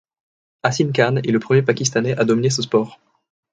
Hashim Khan est le premier Pakistanais à dominer ce sport.